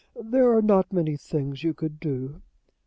"There are not many things you could do."